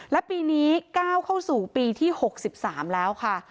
และปีนี้ก้าวเข้าสู่ปีที่๖๓แล้วค่ะ